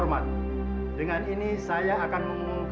mendingan ibu pulang